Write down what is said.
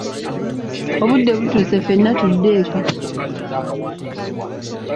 Obudde butuuse ffenna tudde eka.